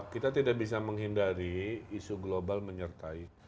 kita tidak bisa menghindari isu global menyertai